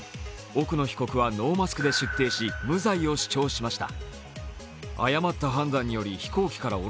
奥野被告はノーマスクで出廷し無罪を主張しました。